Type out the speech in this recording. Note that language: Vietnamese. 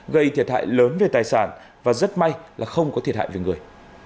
gây thiệt hại lớn về tài sản và rất may là không có thiệt hại về người